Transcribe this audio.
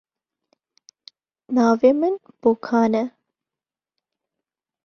Navê min Bokan e.